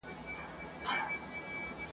د مور په نامه پېژندل کېدل